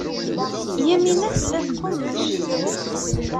Yamina tella teqqummec.